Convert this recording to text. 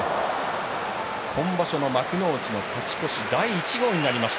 今場所の幕内の勝ち越し第１号になりました。